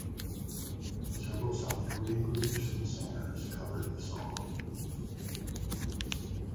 Several South Korean groups and singers covered the song.